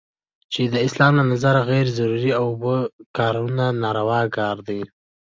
چې د اسلام له نظره غیر ضروري اوبو کارونه ناروا کار دی.